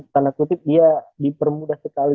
tanda kutip dia dipermudah sekali